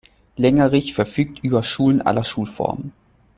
Lengerich verfügt über Schulen aller Schulformen.